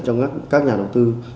cho các nhà đầu tư